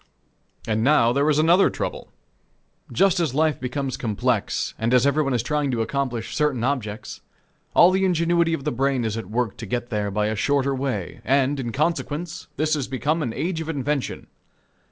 And now there is another trouble. Just as life becomes complex and as everyone is trying to accomplish certain objects, all the ingenuity of the brain is at work to get there by a shorter way, and, in consequence, this has become an age of invention.